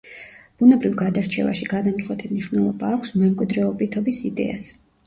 ბუნებრივ გადარჩევაში გადამწყვეტი მნიშვნელობა აქვს მემკვიდრეობითობის იდეას.